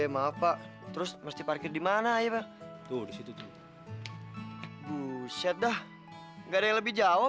ya maaf pak terus mesti parkir dimana ya tuh di situ tuh buset dah enggak lebih jauh